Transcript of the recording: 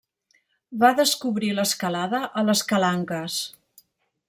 Va descobrir l'escalada a les Calanques.